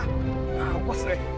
nah apa sih